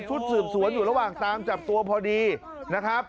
รู้สึกวันศูนย์อยู่ระหว่างนะครับ